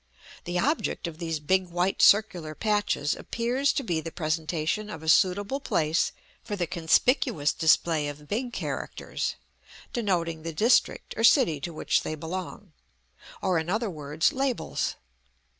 The object of these big white circular patches appears to be the presentation of a suitable place for the conspicuous display of big characters, denoting the district or city to which they belong; or in other words labels.